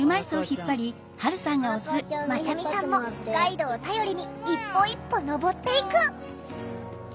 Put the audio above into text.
まちゃみさんもガイドを頼りに一歩一歩登っていく。